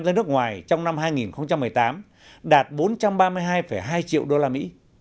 ra nước ngoài trong năm hai nghìn một mươi tám đạt bốn trăm ba mươi hai hai triệu usd